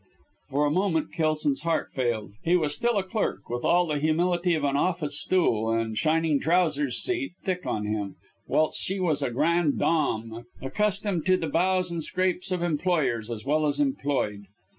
For a moment Kelson's heart failed. He was still a clerk, with all the humility of an office stool and shining trousers' seat thick on him, whilst she was a grande dame accustomed to the bows and scrapes of employers as well as employed.